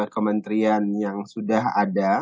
kementerian yang sudah ada